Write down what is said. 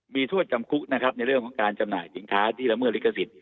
มีโทษจำคุกนะครับในเรื่องของการจำหน่ายสินค้าที่ละเมิดลิขสิทธิ